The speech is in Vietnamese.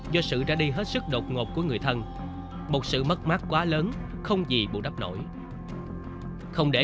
do sự đã đi hết sức đột ngột của người thân một sự mất mát quá lớn không gì bù đắp nổi không để